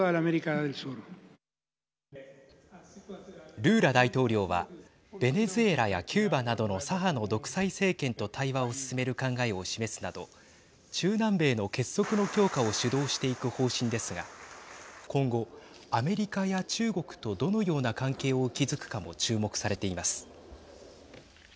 ルーラ大統領はベネズエラやキューバなどの左派の独裁政権と対話を進める考えを示すなど中南米の結束の強化を主導していく方針ですが今後、アメリカや中国とどのような関係を築くかも注目されています。